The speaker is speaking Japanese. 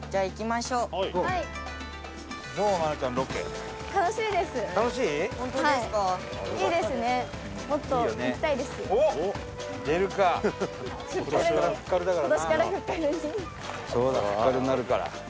そうだフッ軽になるから。